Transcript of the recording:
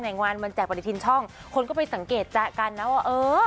งวันวันแจกปฏิทินช่องคนก็ไปสังเกตจากกันนะว่าเออ